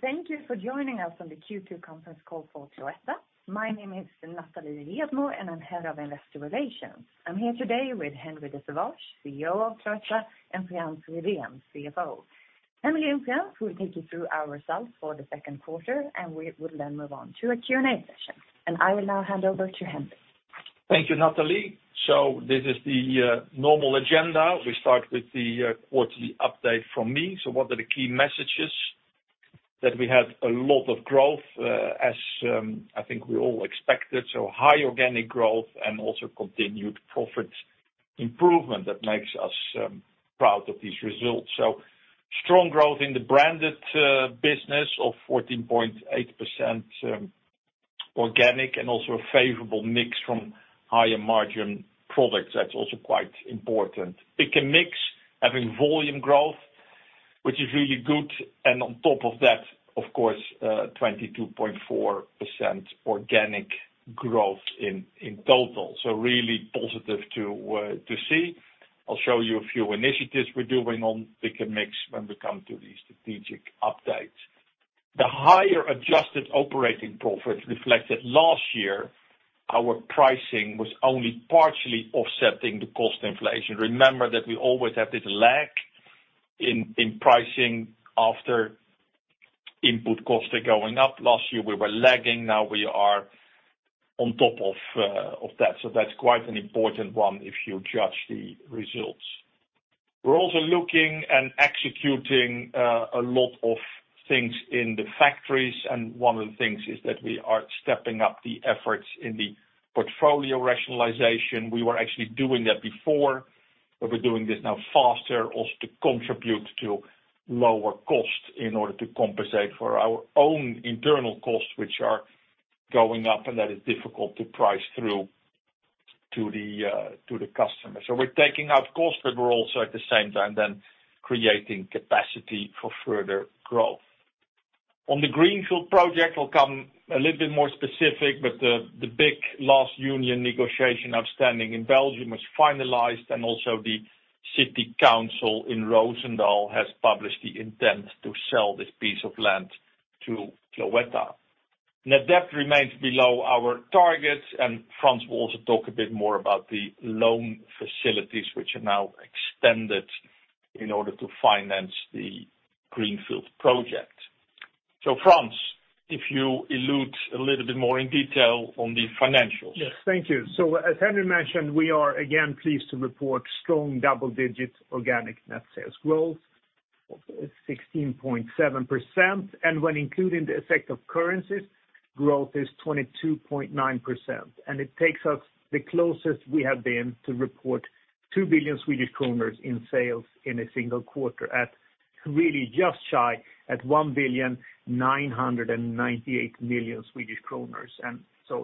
Thank you for joining us on the Q2 conference call for Cloetta. My name is Natalie Redmo, and I'm Head of Investor Relations. I'm here today with Henri de Sauvage-Nolting, CEO of Cloetta, and Frans Rydén, CFO. Henri and Frans will take you through our results for the Q2, and we will then move on to a Q&A session. I will now hand over to Henri. Thank you, Natalie. This is the normal agenda. We start with the quarterly update from me. What are the key messages? That we had a lot of growth, as I think we all expected, so high organic growth and also continued profit improvement that makes us proud of these results. Strong growth in the branded business of 14.8% organic and also a favorable mix from higher margin products. That's also quite important. Pick & Mix, having volume growth, which is really good, and on top of that, of course, 22.4% organic growth in total. Really positive to see. I'll show you a few initiatives we're doing on Pick & Mix when we come to the strategic update. The higher adjusted operating profit reflected last year, our pricing was only partially offsetting the cost inflation. Remember that we always have this lag in pricing after input costs are going up. Last year, we were lagging, now we are on top of that. That's quite an important one if you judge the results. We're also looking and executing a lot of things in the factories. One of the things is that we are stepping up the efforts in the portfolio rationalization. We were actually doing that before. We're doing this now faster, also to contribute to lower costs in order to compensate for our own internal costs, which are going up, and that is difficult to price through to the customer. We're taking out costs. We're also at the same time then creating capacity for further growth. On the greenfield project, I'll come a little bit more specific. The big last union negotiation outstanding in Belgium was finalized. Also, the city council in Roosendaal has published the intent to sell this piece of land to Cloetta. Net debt remains below our targets. Frans will also talk a bit more about the loan facilities, which are now extended in order to finance the greenfield project. Frans, if you elude a little bit more in detail on the financials. Yes, thank you. As Henri mentioned, we are again pleased to report strong double-digit organic net sales growth, 16.7%, and when including the effect of currencies, growth is 22.9%. It takes us the closest we have been to report 2 billion Swedish kronor in sales in a single quarter at really just shy at 1,998 million Swedish kronor.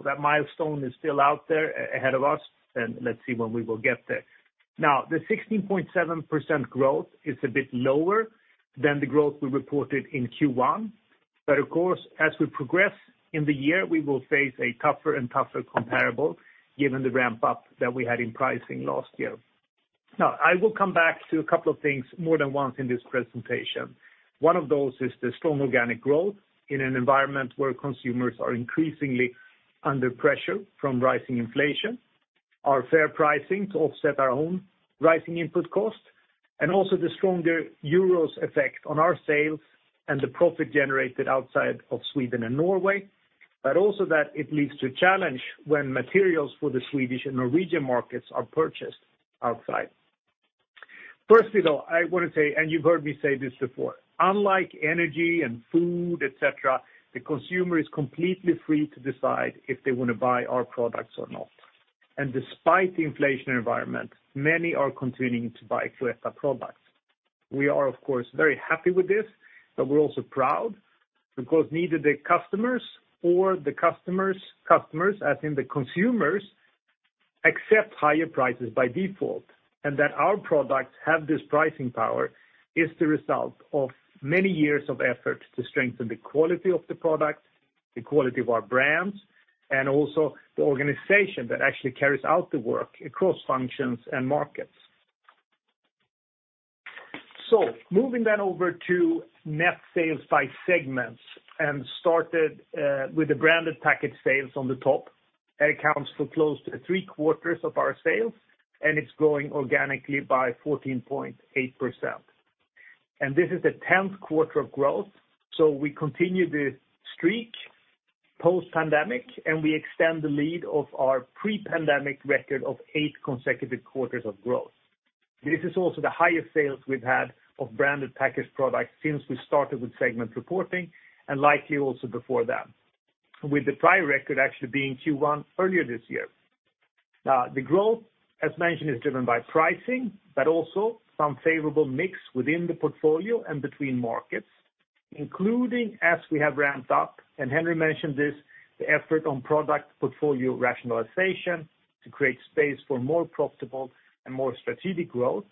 That milestone is still out there ahead of us, and let's see when we will get there. The 16.7% growth is a bit lower than the growth we reported in Q1, of course, as we progress in the year, we will face a tougher and tougher comparable given the ramp up that we had in pricing last year. I will come back to a couple of things more than once in this presentation. One of those is the strong organic growth in an environment where consumers are increasingly under pressure from rising inflation, our fair pricing to offset our own rising input costs, and also the stronger euros effect on our sales and the profit generated outside of Sweden and Norway, but also that it leads to challenge when materials for the Swedish and Norwegian markets are purchased outside. Firstly, though, I want to say, you've heard me say this before, unlike energy and food, et cetera, the consumer is completely free to decide if they want to buy our products or not. Despite the inflation environment, many are continuing to buy Cloetta products. We are, of course, very happy with this, but we're also proud because neither the customers or the customers, as in the consumers, accept higher prices by default, and that our products have this pricing power is the result of many years of effort to strengthen the quality of the product, the quality of our brands, and also the organization that actually carries out the work across functions and markets. Moving then over to net sales by segments and started with the branded package sales on the top. That accounts for close to 3/4 of our sales, and it's growing organically by 14.8%. This is the 10th quarter of growth, so we continue the streak post-pandemic, and we extend the lead of our pre-pandemic record of eight consecutive quarters of growth. This is also the highest sales we've had of branded packaged products since we started with segment reporting, and likely also before that, with the prior record actually being Q1 earlier this year. The growth, as mentioned, is driven by pricing, but also some favorable mix within the portfolio and between markets, including as we have ramped up, and Henri mentioned this, the effort on product portfolio rationalization to create space for more profitable and more strategic growth,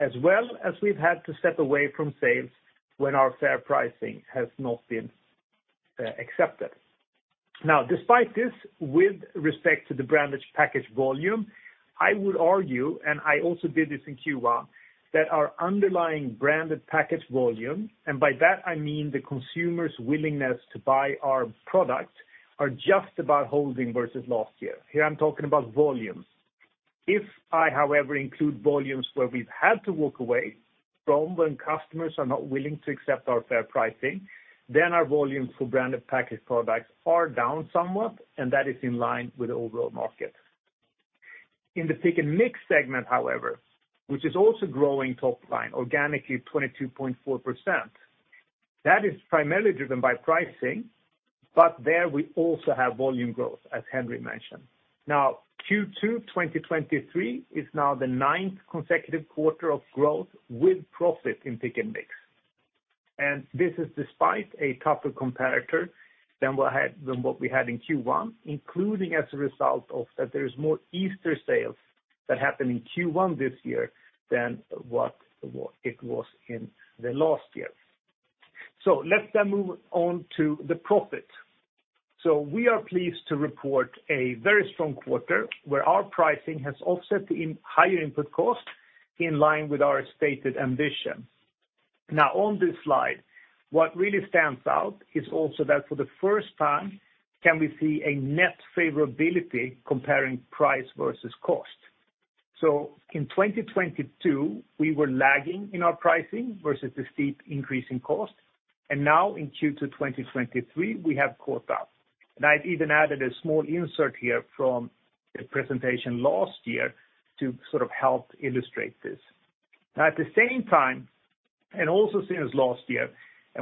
as well as we've had to step away from sales when our fair pricing has not been accepted. Despite this, with respect to the branded package volume, I would argue, and I also did this in Q1, that our underlying branded package volume, and by that I mean the consumer's willingness to buy our product, are just about holding versus last year. Here I'm talking about volumes. If I, however, include volumes where we've had to walk away from when customers are not willing to accept our fair pricing, then our volumes for branded packaged products are down somewhat, and that is in line with the overall market. In the Pick & Mix segment, however, which is also growing top line, organically 22.4%, that is primarily driven by pricing, but there we also have volume growth, as Henri mentioned. Q2 2023 is now the ninth consecutive quarter of growth with profit in Pick & Mix. This is despite a tougher comparator than what we had in Q1, including as a result of that there is more Easter sales that happened in Q1 this year than what it was in the last year. Let's then move on to the profit. We are pleased to report a very strong quarter, where our pricing has offset the higher input costs in line with our stated ambition. On this slide, what really stands out is also that for the first time, can we see a net favorability comparing price versus cost? In 2022, we were lagging in our pricing versus the steep increase in cost, and now in Q2 2023, we have caught up. I've even added a small insert here from the presentation last year to sort of help illustrate this. At the same time, also since last year,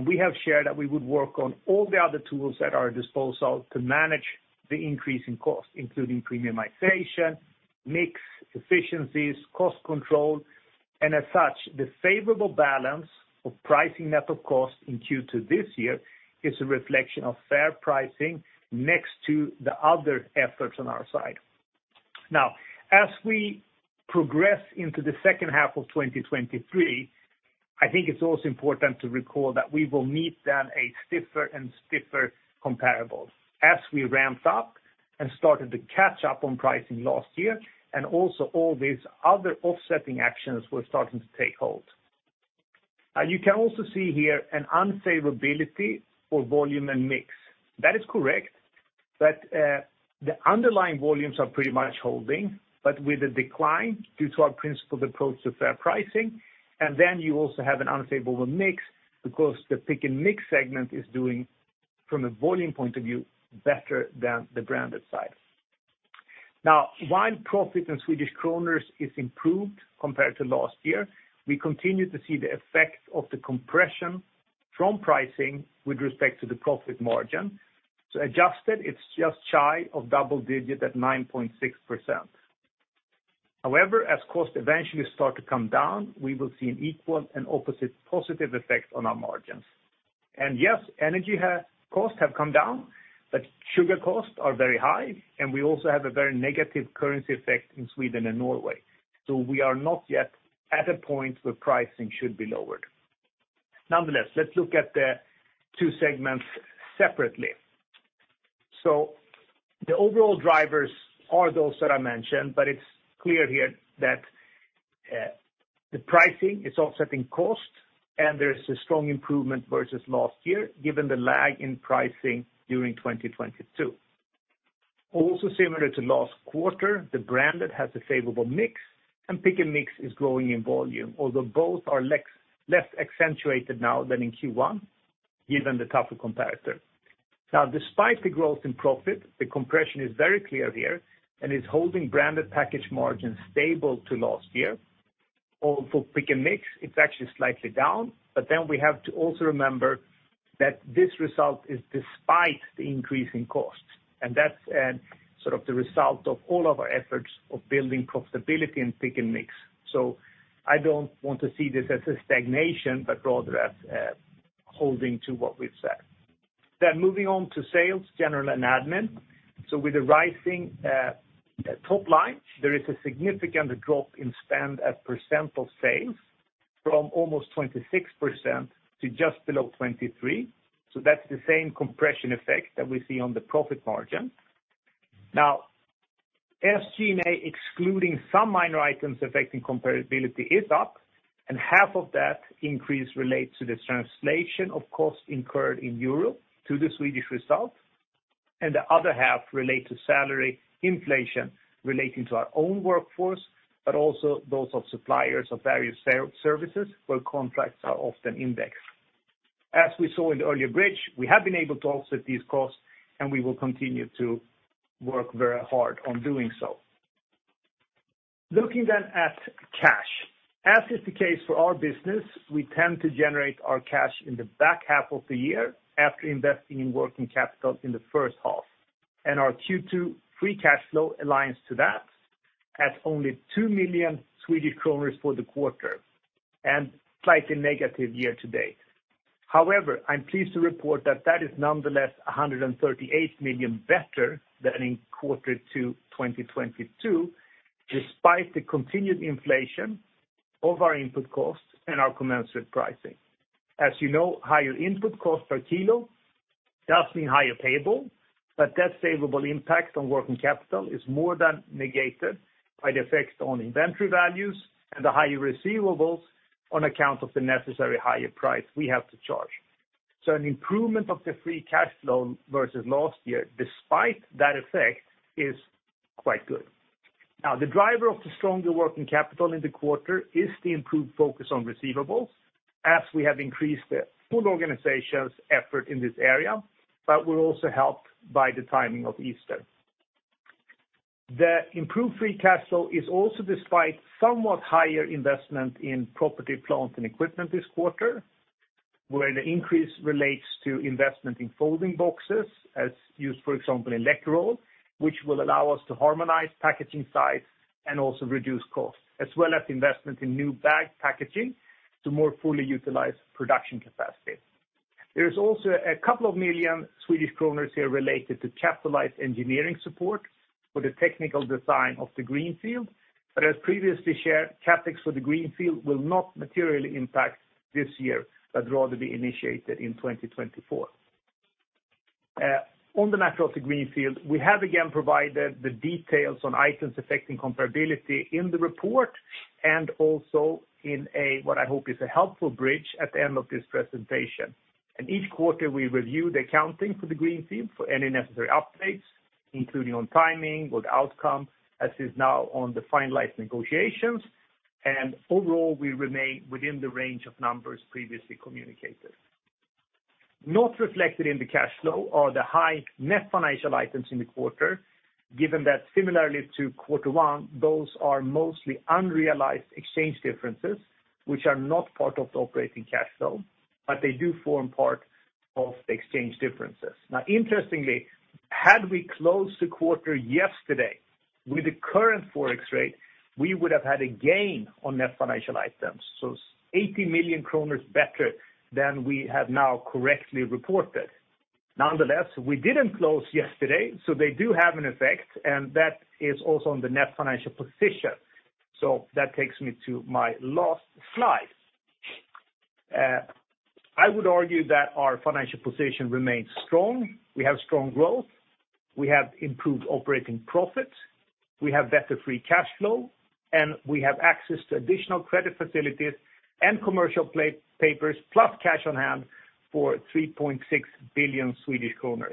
we have shared that we would work on all the other tools at our disposal to manage the increase in costs, including premiumization, mix, efficiencies, cost control, and as such, the favorable balance of pricing net of cost in Q2 this year is a reflection of fair pricing next to the other efforts on our side. As we progress into the second half of 2023, I think it's also important to recall that we will meet then a stiffer and stiffer comparable as we ramped up and started to catch up on pricing last year, and also all these other offsetting actions were starting to take hold. You can also see here an unfavorability for volume and mix. That is correct, but the underlying volumes are pretty much holding, but with a decline due to our principled approach to fair pricing. You also have an unfavorable mix because the Pick & Mix segment is doing, from a volume point of view, better than the branded side. Now, while profit in SEK is improved compared to last year, we continue to see the effect of the compression from pricing with respect to the profit margin. Adjusted, it's just shy of double digit at 9.6%. However, as costs eventually start to come down, we will see an equal and opposite positive effect on our margins. Yes, energy costs have come down, but sugar costs are very high, and we also have a very negative currency effect in Sweden and Norway. We are not yet at a point where pricing should be lowered. Nonetheless, let's look at the two segments separately. The overall drivers are those that I mentioned, but it's clear here that the pricing is offsetting cost, and there's a strong improvement versus last year, given the lag in pricing during 2022. Also, similar to last quarter, the branded has a favorable mix, and Pick & Mix is growing in volume, although both are less accentuated now than in Q1, given the tougher comparator. Despite the growth in profit, the compression is very clear here and is holding branded package margins stable to last year. For Pick & Mix, it's actually slightly down. We have to also remember that this result is despite the increase in costs, and that's sort of the result of all of our efforts of building profitability in Pick & Mix. I don't want to see this as a stagnation, but rather as holding to what we've said. Moving on to Sales, General, and Admin. With the rising top line, there is a significant drop in spend as percent of sales from almost 26% to just below 23%. That's the same compression effect that we see on the profit margin. SG&A, excluding some minor items affecting comparability, is up. Half of that increase relates to the translation of costs incurred in euro to the Swedish result. The other half relate to salary inflation relating to our own workforce, but also those of suppliers of various services, where contracts are often indexed. We saw in the earlier bridge, we have been able to offset these costs. We will continue to work very hard on doing so. Looking at cash. Is the case for our business, we tend to generate our cash in the back half of the year after investing in working capital in the first half. Our Q2 free cash flow aligns to that at only 2 million Swedish kronor for the quarter, and slightly negative year to date. I'm pleased to report that that is nonetheless 138 million better than in Q2 2022, despite the continued inflation of our input costs and our commensurate pricing. As you know, higher input cost per kilo does mean higher payable, but that savable impact on working capital is more than negated by the effects on inventory values and the higher receivables on account of the necessary higher price we have to charge. An improvement of the free cash flow versus last year, despite that effect, is quite good. The driver of the stronger working capital in the quarter is the improved focus on receivables, as we have increased the whole organization's effort in this area, but we're also helped by the timing of Easter. The improved free cash flow is also despite somewhat higher investment in property, plant, and equipment this quarter, where the increase relates to investment in folding boxes as used, for example, in Läkerol, which will allow us to harmonize packaging size and also reduce costs, as well as investment in new bag packaging to more fully utilize production capacity. There is also a couple of million SEK here related to capitalized engineering support for the technical design of the greenfield. But as previously shared, CapEx for the greenfield will not materially impact this year, but rather be initiated in 2024. On the matter of the greenfield, we have again provided the details on items affecting comparability in the report, and also in a, what I hope is a helpful bridge at the end of this presentation. Each quarter, we review the accounting for the Greenfield for any necessary updates, including on timing, with outcome, as is now on the finalized negotiations. Overall, we remain within the range of numbers previously communicated. Not reflected in the cash flow are the high net financial items in the quarter, given that similarly to quarter one, those are mostly unrealized exchange differences, which are not part of the operating cash flow, but they do form part of the exchange differences. Interestingly, had we closed the quarter yesterday with the current FX rate, we would have had a gain on net financial items, so 80 million kronor better than we have now correctly reported. Nonetheless, we didn't close yesterday, so they do have an effect, and that is also on the net financial position. That takes me to my last slide. I would argue that our financial position remains strong. We have strong growth, we have improved operating profits, we have better free cash flow, and we have access to additional credit facilities and commercial papers, plus cash on hand for 3.6 billion Swedish kronor.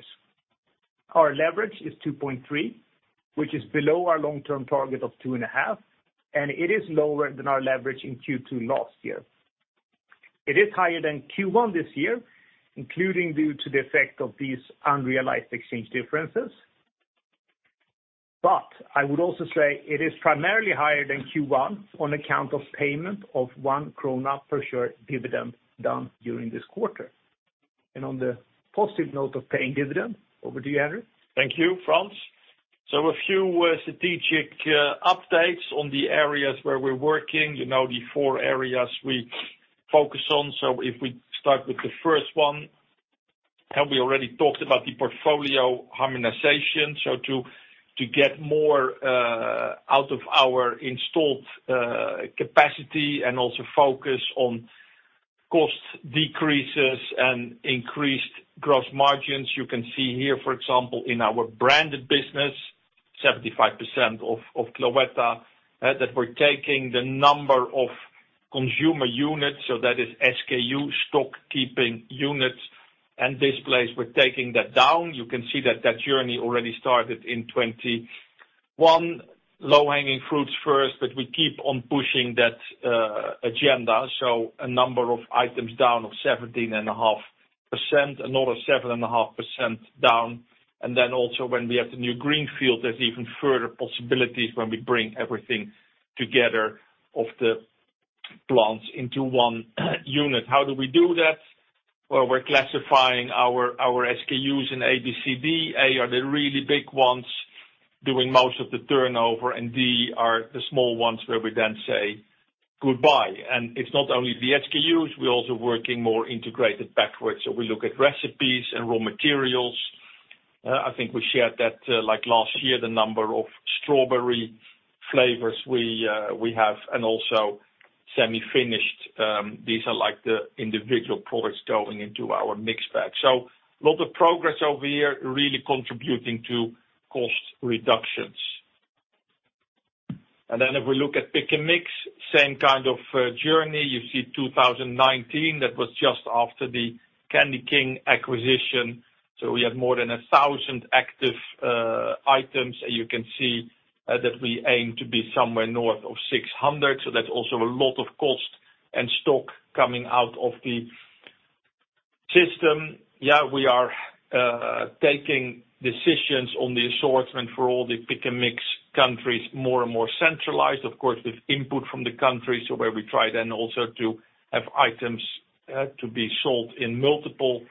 Our leverage is 2.3, which is below our long-term target of 2.5, and it is lower than our leverage in Q2 last year. It is higher than Q1 this year, including due to the effect of these unrealized exchange differences. I would also say it is primarily higher than Q1 on account of payment of 1 krona per share dividend down during this quarter. On the positive note of paying dividend, over to you, Henri. Thank you, Frans. A few strategic updates on the areas where we're working, you know, the four areas we focus on. If we start with the first one, and we already talked about the portfolio harmonization, to get more out of our installed capacity and also focus on cost decreases and increased gross margins. You can see here, for example, in our branded business, 75% of Cloetta, that we're taking the number of consumer units, so that is SKU, stock keeping units and displays, we're taking that down. You can see that that journey already started in 2021. Low-hanging fruits first, but we keep on pushing that agenda. A number of items down of 17.5%, another 7.5% down. Also, when we have the new greenfield, there's even further possibilities when we bring everything together of the plants into one unit. How do we do that? Well, we're classifying our SKUs in ABCD. A are the really big ones, doing most of the turnover, and D are the small ones, where we then say goodbye. It's not only the SKUs, we're also working more integrated backwards. We look at recipes and raw materials. I think we shared that, like last year, the number of strawberry flavors we have, and also semi-finished, these are like the individual products going into our mixed bag. A lot of progress over here, really contributing to cost reductions. If we look at Pick & Mix, same kind of journey. You see 2019, that was just after the CandyKing acquisition. We have more than 1,000 active items. You can see that we aim to be somewhere north of 600. That's also a lot of cost and stock coming out of the system. We are taking decisions on the assortment for all the Pick & Mix countries, more and more centralized, of course, with input from the countries. Where we try then also to have items to be sold in multiple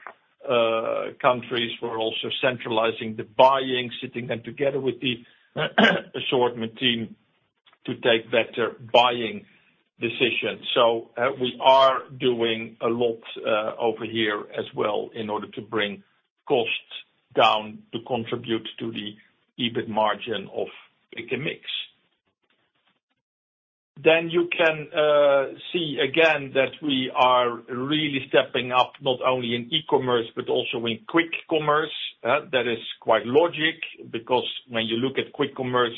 countries. We're also centralizing the buying, sitting them together with the assortment team to take better buying decisions. We are doing a lot over here as well in order to bring costs down to contribute to the EBIT margin of Pick & Mix. You can see again that we are really stepping up, not only in e-commerce, but also in quick commerce, that is quite logic, because when you look at quick commerce,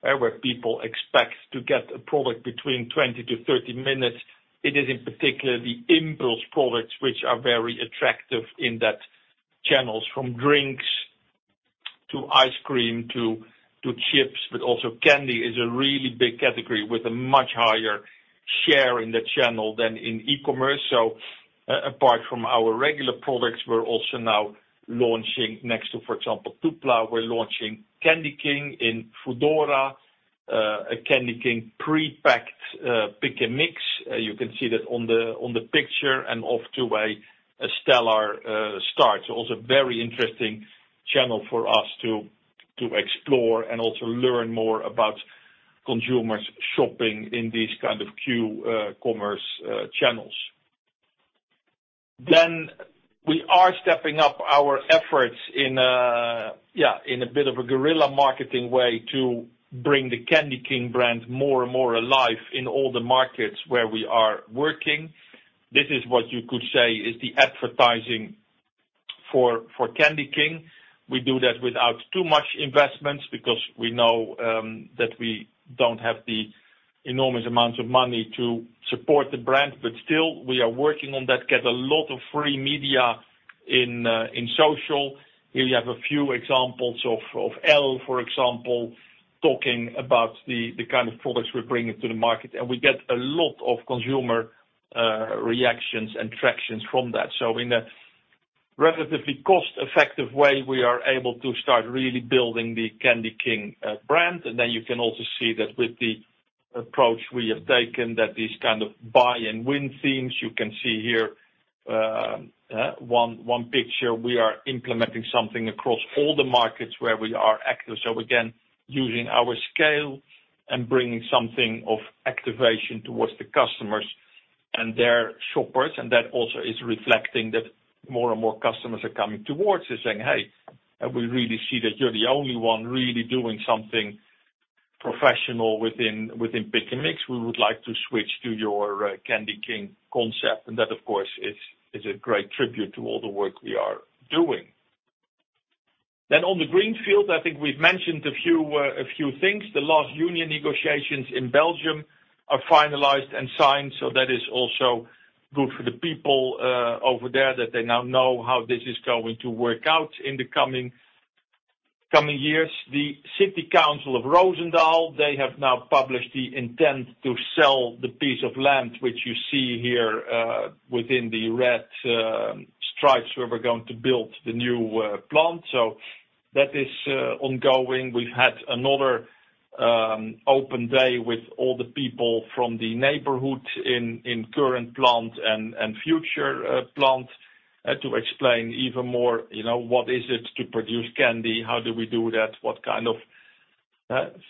where people expect to get a product between 20-30 minutes, it is in particular the impulse products, which are very attractive in that channels, from drinks to ice cream to chips, but also candy is a really big category with a much higher share in the channel than in e-commerce. Apart from our regular products, we're also now launching next to, for example, Tupla, we're launching CandyKing in foodora, a CandyKing pre-packed Pick & Mix. You can see that on the picture and off to a stellar start. Also very interesting channel for us to explore and also learn more about consumers shopping in these kind of q-commerce channels. We are stepping up our efforts in a bit of a guerrilla marketing way to bring the CandyKing brand more and more alive in all the markets where we are working. This is what you could say is the advertising for CandyKing. We do that without too much investments, because we know that we don't have the enormous amounts of money to support the brand, but still, we are working on that, get a lot of free media in social. Here you have a few examples of Elle, for example, talking about the kind of products we're bringing to the market, and we get a lot of consumer reactions and tractions from that. In a relatively cost-effective way, we are able to start really building the CandyKing brand. Then you can also see that with the approach we have taken, that these kind of buy and win themes, you can see here, one picture, we are implementing something across all the markets where we are active. Again, using our scale and bringing something of activation towards the customers and their shoppers, and that also is reflecting that more and more customers are coming towards us saying, "Hey, and we really see that you're the only one really doing something professional within Pick & Mix. We would like to switch to your CandyKing concept." That, of course, is a great tribute to all the work we are doing. On the greenfield, I think we've mentioned a few things. The last union negotiations in Belgium are finalized and signed, so that is also good for the people over there, that they now know how this is going to work out in the coming years. The City Council of Roosendaal, they have now published the intent to sell the piece of land, which you see here, within the red stripes, where we're going to build the new plant. That is ongoing. We've had another open day with all the people from the neighborhood in current plant and future plant to explain even more, you know, what is it to produce candy? How do we do that? What kind of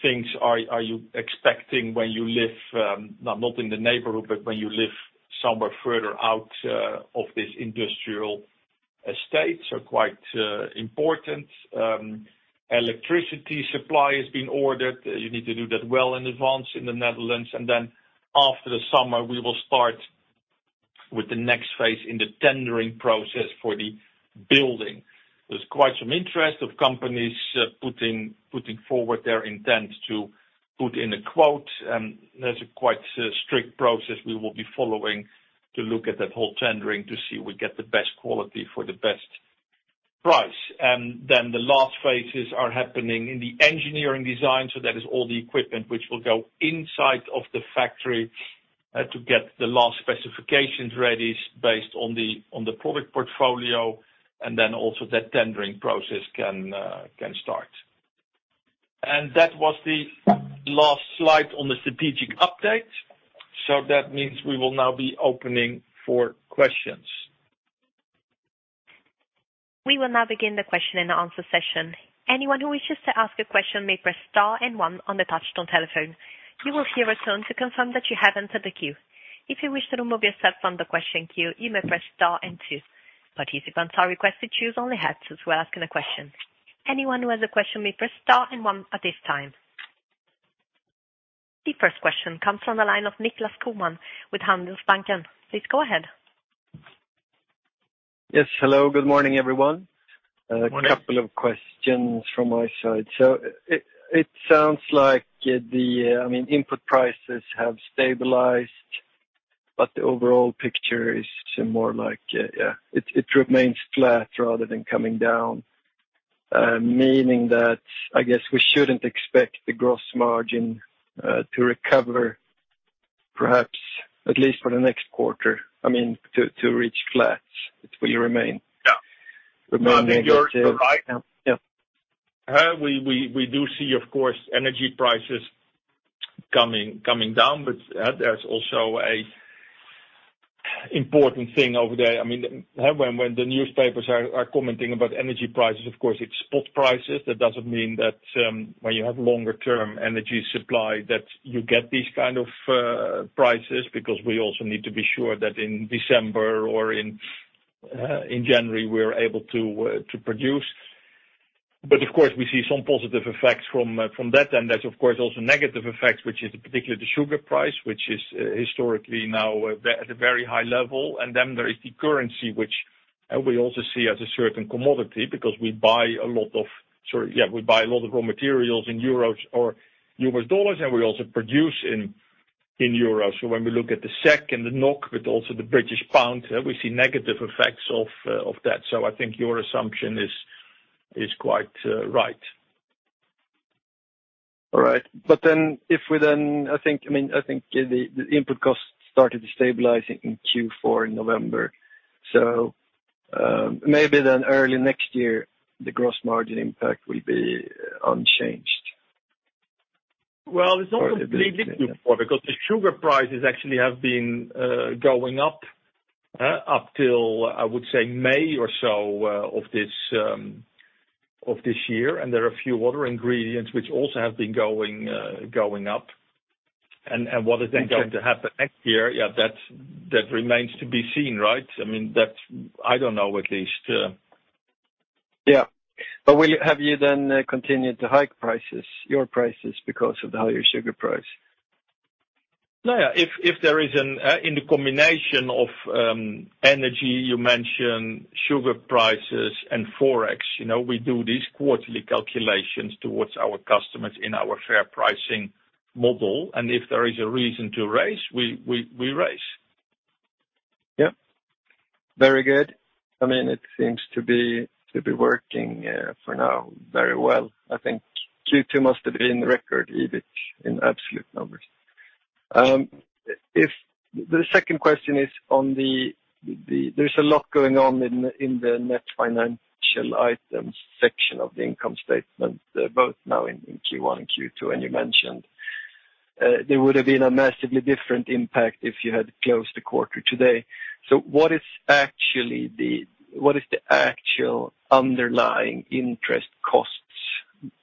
things are you expecting when you live not in the neighborhood, but when you live somewhere further out of this industrial estate? Quite important. Electricity supply has been ordered. You need to do that well in advance in the Netherlands. After the summer, we will start with the next phase in the tendering process for the building. There's quite some interest of companies putting forward their intent to put in a quote. There's a quite strict process we will be following to look at that whole tendering, to see we get the best quality for the best price. The last phases are happening in the engineering design, so that is all the equipment which will go inside of the factory to get the last specifications ready based on the product portfolio. Also that tendering process can start. That was the last slide on the strategic update. That means we will now be opening for questions. We will now begin the question and answer session. Anyone who wishes to ask a question may press Star and one on the touchtone telephone. You will hear a tone to confirm that you have entered the queue. If you wish to remove yourself from the question queue, you may press Star and two. Participants are requested to choose only hands as we're asking a question. Anyone who has a question may press star and one at this time. The first question comes from the line of Niklas Kuman with Handelsbanken. Please go ahead. Hello, good morning, everyone. Good morning. A couple of questions from my side. It sounds like the, I mean, input prices have stabilized, but the overall picture is more like, yeah, it remains flat rather than coming down. Meaning that, I guess, we shouldn't expect the gross margin to recover, perhaps at least for the next quarter, I mean, to reach flat, it will remain? Yeah. Remain negative. You're right. Yeah. We do see, of course, energy prices coming down, but there's also an important thing over there. I mean, when the newspapers are commenting about energy prices, of course, it's spot prices. That doesn't mean that when you have longer term energy supply, that you get these kind of prices, because we also need to be sure that in December or in January, we're able to produce. Of course, we see some positive effects from that, and there's of course, also negative effects, which is particularly the sugar price, which is historically now at a very high level. There is the currency, which we also see as a certain commodity, because we buy a lot of, so yeah, we buy a lot of raw materials in euros or US dollars, and we also produce in euros. When we look at the SEK and the NOK, but also the British pound, we see negative effects of that. I think your assumption is quite right. All right. If we then, I think, I mean, I think the input costs started to stabilize in Q4 in November. Maybe then early next year, the gross margin impact will be unchanged. Well, it's not completely because the sugar prices actually have been going up up till, I would say, May or so of this year. There are a few other ingredients which also have been going up. What is then going to happen next year? Yeah, that remains to be seen, right? I mean, that's I don't know, at least. Yeah. Have you then continued to hike prices, your prices, because of the higher sugar price? Yeah, if there is an in the combination of energy, you mentioned sugar prices and FX, you know, we do these quarterly calculations towards our customers in our fair pricing model, if there is a reason to raise, we raise. Yep. Very good. I mean, it seems to be working for now, very well. I think Q2 must have been record, even in absolute numbers. If the second question is on the net financial items section of the income statement, both now in Q1 and Q2, and you mentioned there would have been a massively different impact if you had closed the quarter today. What is the actual underlying interest costs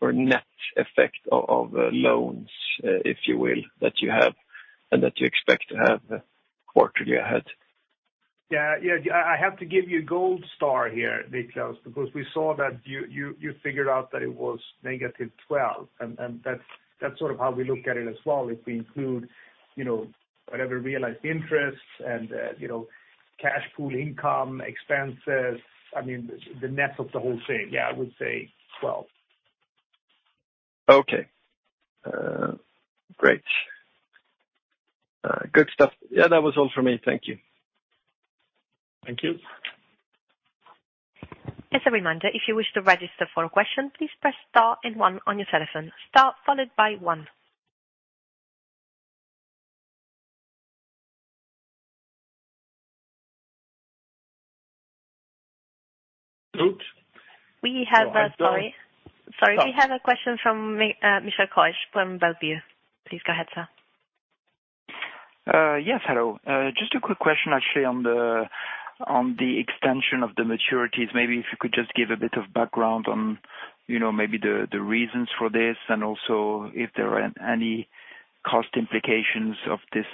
or net effect of loans, if you will, that you have and that you expect to have quarterly ahead? Yeah, I have to give you a gold star here, Nicklas, because we saw that you figured out that it was -12, and that's sort of how we look at it as well. If we include, you know, whatever realized interests and, you know, cash pool income, expenses, I mean, the net of the whole thing. Yeah, I would say 12. Okay. great. good stuff. That was all for me. Thank you. Thank you. As a reminder, if you wish to register for a question, please press star and one on your telephone. Star followed by one. Good. We have Sorry. We have a question from Michel Keusch from Bellevue. Please go ahead, sir. Yes, hello. Just a quick question, actually, on the extension of the maturities. Maybe if you could just give a bit of background on, you know, maybe the reasons for this, and also if there are any cost implications of this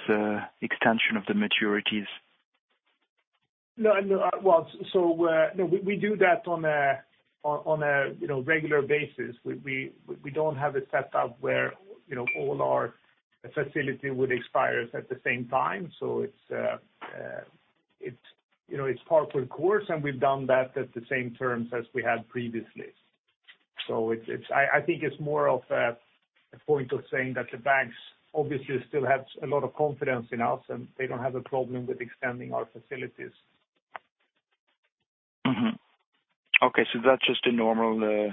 extension of the maturities. No, no. Well, we do that on a, you know, regular basis. We don't have it set up where, you know, all our facility would expires at the same time. It's, you know, it's par for course, and we've done that at the same terms as we had previously. I think it's more of a point of saying that the banks obviously still have a lot of confidence in us, and they don't have a problem with extending our facilities. Mm-hmm. Okay, that's just a normal.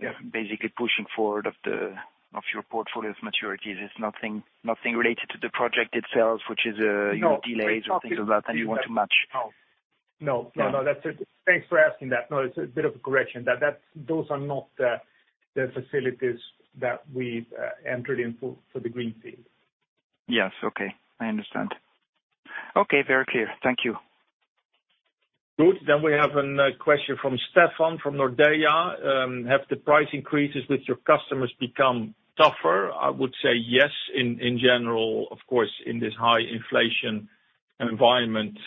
Yeah. Basically pushing forward of the, of your portfolio's maturities. It's nothing related to the project itself, which is. No. Delays or things of that, and you want to match? No, no. That's it. Thanks for asking that. No, it's a bit of a correction. That's those are not the facilities that we entered into for the greenfield. Yes. Okay, I understand. Okay, very clear. Thank you. Good. We have a question from Stefan, from Nordea. Have the price increases with your customers become tougher? I would say yes, in general, of course, in this high inflation environment,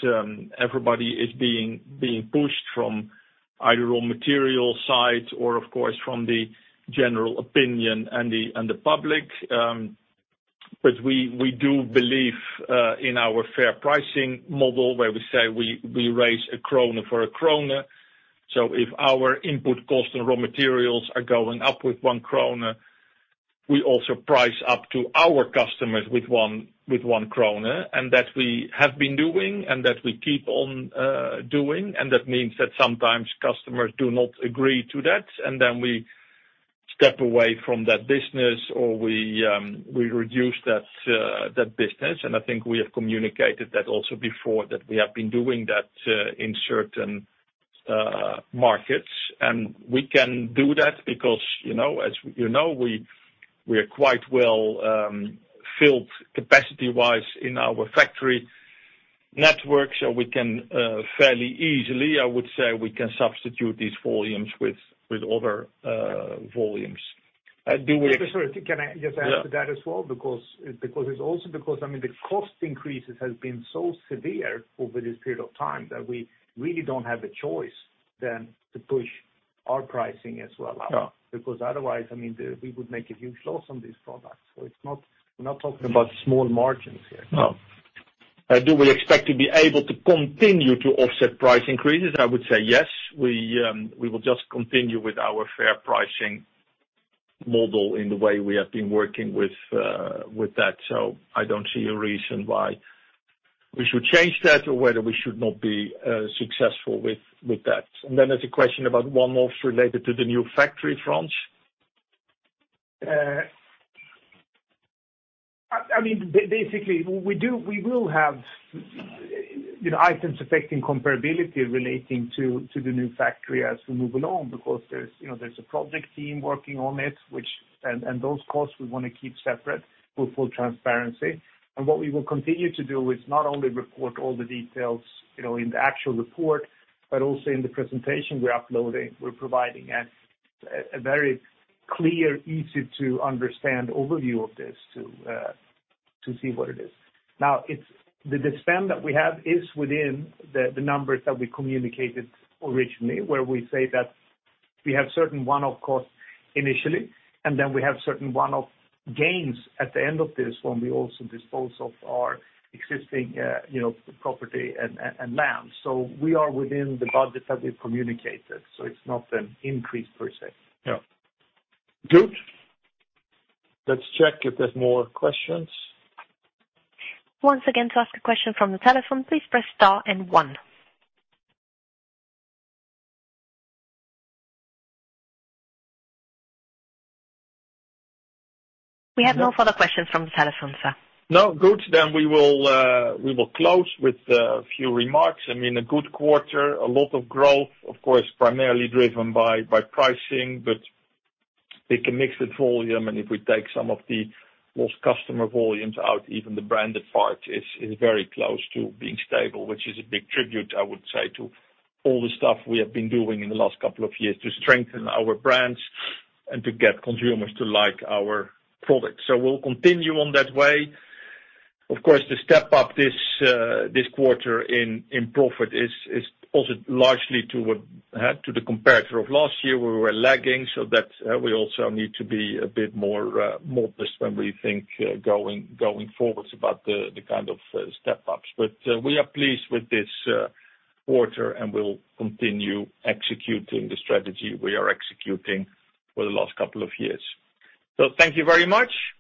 everybody is being pushed from either raw material side or of course, from the general opinion and the public. We do believe in our fair pricing model, where we say, we raise 1 SEK for 1 SEK. If our input cost and raw materials are going up with 1 kronor, we also price up to our customers with 1 kronor. That we have been doing. That we keep on doing. That means that sometimes customers do not agree to that. Then we step away from that business, or we reduce that business. I think we have communicated that also before, that we have been doing that in certain markets. We can do that because, you know, as you know, we are quite well, filled capacity-wise in our factory network, so we can, fairly easily, I would say, we can substitute these volumes with other volumes. Sorry, can I just add to that as well? It's also because, I mean, the cost increases have been so severe over this period of time, that we really don't have a choice than to push our pricing as well out. Yeah. Because otherwise, I mean, we would make a huge loss on these products. It's not, we're not talking about small margins here. No. Do we expect to be able to continue to offset price increases? I would say, yes. We will just continue with our fair pricing model in the way we have been working with that. I don't see a reason why we should change that or whether we should not be successful with that. There's a question about one-offs related to the new factory, Frans? I mean, basically, we will have, you know, items affecting comparability relating to the new factory as we move along. Because there's, you know, there's a project team working on it. Those costs we want to keep separate for full transparency. What we will continue to do is not only report all the details, you know, in the actual report, but also in the presentation we're uploading. We're providing a very clear, easy to understand overview of this, to see what it is. Now, the spend that we have is within the numbers that we communicated originally, where we say that we have certain one-off costs initially, and then we have certain one-off gains at the end of this, when we also dispose off our existing, you know, property and land. We are within the budget that we communicated, so it's not an increase per se. Yeah. Good. Let's check if there's more questions? Once again, to ask a question from the telephone, please press star and one. We have no further questions from the telephone, sir. No? Good. We will close with a few remarks. I mean, a good quarter, a lot of growth, of course, primarily driven by pricing, but we can mix with volume. If we take some of the lost customer volumes out, even the branded part is very close to being stable, which is a big tribute, I would say, to all the stuff we have been doing in the last couple of years to strengthen our brands and to get consumers to like our products. We'll continue on that way. Of course, the step up this quarter in profit is also largely to what... To the comparator of last year, where we were lagging, so that we also need to be a bit more modest when we think going forwards about the kind of step ups. We are pleased with this quarter, and we'll continue executing the strategy we are executing for the last couple of years. Thank you very much!